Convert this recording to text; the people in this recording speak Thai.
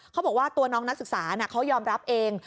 เขาบอกว่าตัวน้องนักศึกษาเขายอมรับเอง